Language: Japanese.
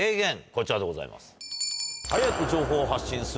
こちらでございます。